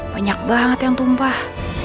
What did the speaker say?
banyak banget yang tumpah